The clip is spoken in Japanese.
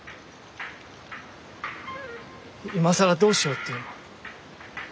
今更どうしようっていうの？